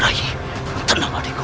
raih tenang adikku